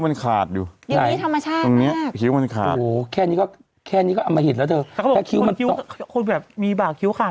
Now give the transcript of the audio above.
พี่หนุ่มทำคิ้วไหม